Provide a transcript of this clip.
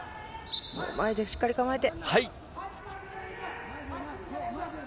前でしっかり構えて。